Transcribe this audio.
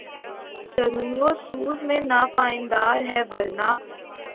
سرور و سوز میں ناپائیدار ہے ورنہ